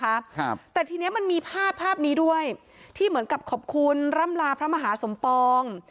ครับแต่ทีเนี้ยมันมีภาพภาพนี้ด้วยที่เหมือนกับขอบคุณร่ำลาพระมหาสมปอง